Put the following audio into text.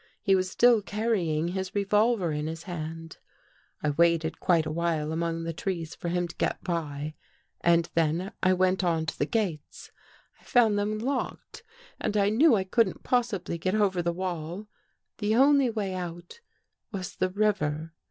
He was still carrying his revolver in his hand. " I waited quite a while among the trees for him to get by and then I went on to the gates. I found 309 THE GHOST GIRL them locked and I knew I couldn't possibly get over the wall. The only way out was the river.